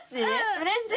うれしい。